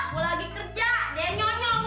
gue lagi kerja dia nyonyol